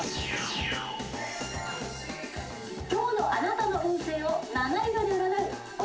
今日のあなたの運勢を七色で占う。